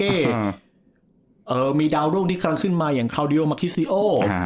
เอ่อมีดรุ่งที่ขั้นขึ้นมาอย่างเคาริโอห์มาคิจะอ่ะ